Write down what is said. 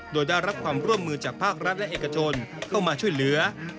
โดยได้รับความร่วมมือจากภาครัฐและเอกชนเข้ามาช่วยเหลือ